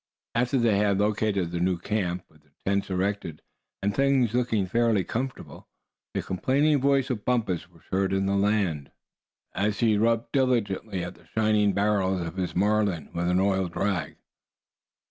And after they had located the new camp, with the tents erected, and things looking fairly comfortable, the complaining voice of Bumpus was heard in the land, as he rubbed diligently at the shining barrels of his Marlin with an oiled rag.